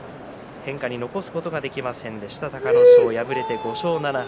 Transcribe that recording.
変化に残すことができませんでした隆の勝敗れて５勝７敗。